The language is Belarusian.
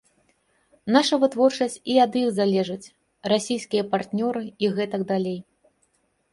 Наша вытворчасць і ад іх залежыць, расійскія партнёры і гэтак далей.